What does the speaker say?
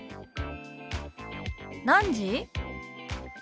「何時？」。